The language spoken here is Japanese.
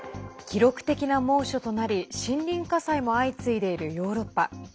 記録的な猛暑となり森林火災も相次いでいるヨーロッパ。